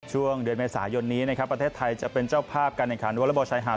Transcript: ช่วงเดือนเมษายนนี้นะครับประเทศไทยจะเป็นเจ้าภาพการแข่งขันวอเล็กบอลชายหาด